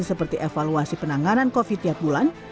seperti evaluasi penanganan covid tiap bulan